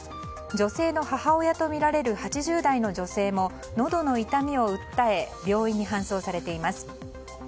女性の母親とみられる８０代の女性ものどの痛みを訴え病院に搬送されています。